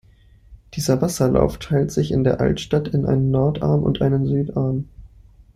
Dieser Wasserlauf teilt sich in der Altstadt in einen Nordarm und einen Südarm.